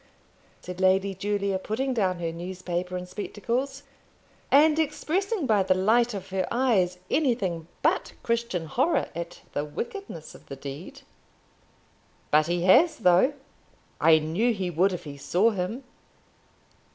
said Lady Julia, putting down her newspaper and spectacles, and expressing by the light of her eyes anything but Christian horror at the wickedness of the deed. "But he has, though. I knew he would if he saw him."